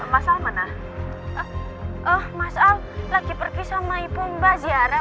masal mana oh masal lagi pergi sama ipom baziarah